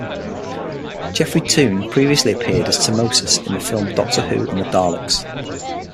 Geoffrey Toone previously appeared as Temmosus in the film "Doctor Who and the Daleks".